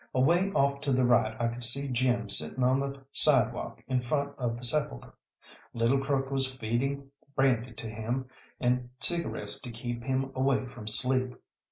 Away off to the right I could see Jim sitting on the sidewalk in front of the "Sepulchre." Little Crook was feeding brandy to him, and cigarettes to keep him away from sleep.